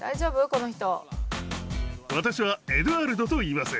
この人。